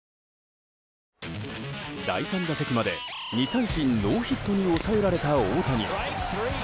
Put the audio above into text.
第３打席まで２三振ノーヒットに抑えられた大谷。